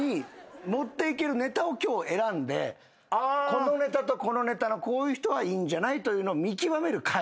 このネタとこのネタのこういう人はいいんじゃないというのを見極める回でございます。